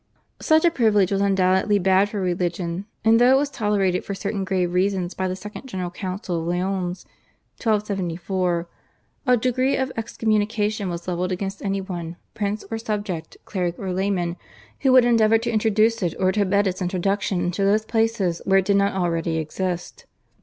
Such a privilege was undoubtedly bad for religion, and though it was tolerated for certain grave reasons by the second General Council of Lyons (1274), a decree of excommunication was levelled against anyone, prince or subject, cleric or layman, who would endeavour to introduce it or to abet its introduction into those places where it did not already exist.